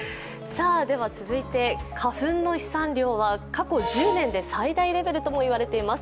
続いて花粉の飛散量は過去１０年で最大レベルとも言われています。